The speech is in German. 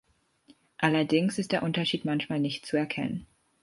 Allerdings ist der Unterschied manchmal nicht zu erkennen.